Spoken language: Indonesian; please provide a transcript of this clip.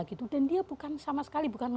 gitu dan dia bukan sama sekali bukan